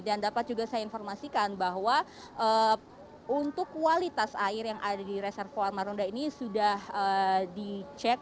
dan dapat juga saya informasikan bahwa untuk kualitas air yang ada di reservoir marunda ini sudah dicek